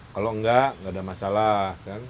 kalau enggak enggak ada masalah